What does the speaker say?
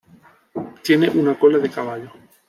Tiene una cola de caballo.